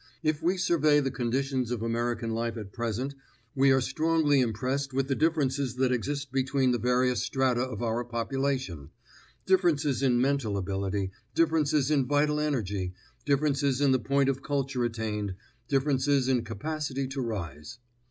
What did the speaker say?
If we survey the conditions of American life at present, we are strongly impressed with the differences that exist between the various strata of our population: differences in mental ability, differences in vital energy, differences in the point of culture attained, differences in capacity to rise.